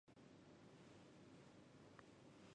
贯索四是位于北冕座的双星系统。